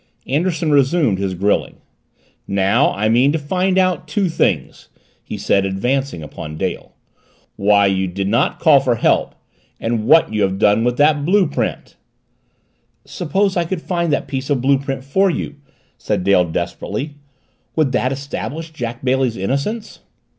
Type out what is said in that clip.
Anderson resumed his grilling. "Now I mean to find out two things," he said, advancing upon Dale. "Why you did not call for help and what you have done with that blue print." "Suppose I could find that piece of blue print for you?" said Dale desperately. "Would that establish Jack Bailey's innocence?"